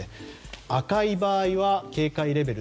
赤い場合は警戒レベル